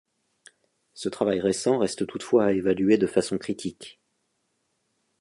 Ce travail récent reste toutefois à évaluer de façon critique.